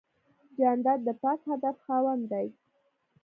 جانداد د پاک هدف خاوند دی.